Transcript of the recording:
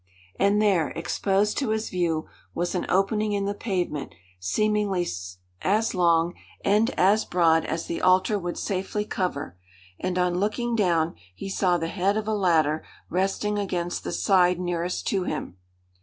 And there, exposed to his view, was an opening in the pavement seemingly as long and as broad as the altar would safely cover; and on looking down he saw the head of a ladder resting against the side nearest to him.